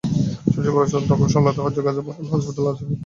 সবচেয়ে বড় ধকল সামলাতে হচ্ছে গাজার প্রধান হাসপাতাল আল সাফিয়া হাসপাতালকে।